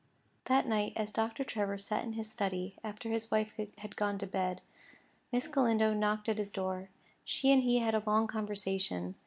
That night, as Doctor Trevor sat in his study, after his wife had gone to bed, Miss Galindo knocked at his door. She and he had a long conversation.